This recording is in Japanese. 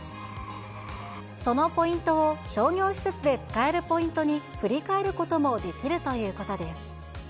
そのポイントを商業施設で使えるポイントに振り替えることもできるということです。